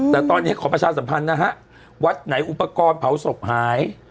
แต่ตอนนี้ขอประชาสัมพันธ์นะฮะวัดไหนอุปกรณ์เผาศพหาย